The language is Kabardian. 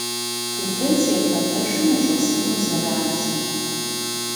Тутын щефэ пэшым ущӀэсыну зэранщ.